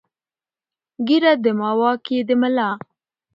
ـ ږيره دما، واک يې د ملا.